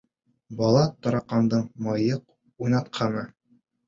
Бала тараҡандың мыйыҡ уйнатҡаны